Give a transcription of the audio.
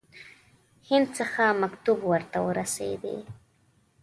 هند څخه مکتوب ورته ورسېدی.